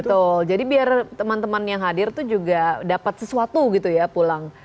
betul jadi biar teman teman yang hadir tuh juga dapat sesuatu gitu ya pulang